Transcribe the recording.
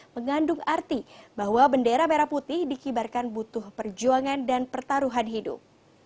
mengandung arti bahwa bendera merah putih dikibarkan butuh perjuangan dan pertaruhan hidup